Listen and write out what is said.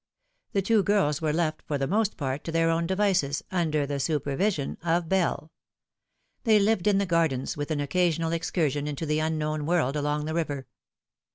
The two girls were left, for the most part, to their own devices, under the supervision of Bell. They lived }a the gardens, with an occasional excursion into the unknown irorld along the river.